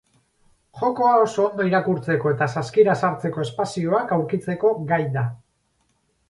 Jokoa oso ondo irakurtzeko eta saskira sartzeko espazioak aurkitzeko gai da.